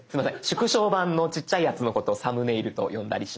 縮小版のちっちゃいやつのことを「サムネイル」と呼んだりします。